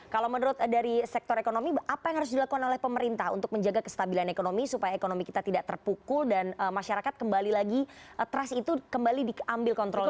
kalau menurut dari sektor ekonomi apa yang harus dilakukan oleh pemerintah untuk menjaga kestabilan ekonomi supaya ekonomi kita tidak terpukul dan masyarakat kembali lagi trust itu kembali diambil kontrolnya